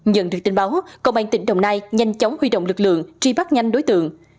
nhận được tin báo công an tỉnh đồng nai nhanh chóng huy động lực lượng truy bắt nhanh đối tượng